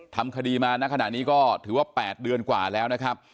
ทำคดีมาณขณะนี้ก็ถือว่า๘เดือนกว่าแล้วนะครับ